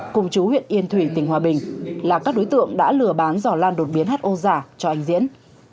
cùng chú huyện yên thủy tỉnh hòa bình là các đối tượng đã lừa bán giỏ lan đột biến ho giả cho anh diễn